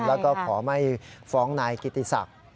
แล้วก็ขอไม่ฟ้องนายกิติศักดิ์